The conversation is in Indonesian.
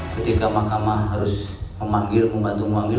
ketika mahkamah harus memanggil pembantu memanggil